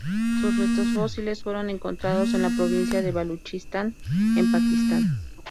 Sus restos fósiles fueron encontrados en la provincia de Baluchistán, en Pakistán.